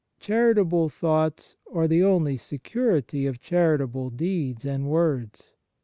Charitable thoughts are the only security of charitable deeds and words.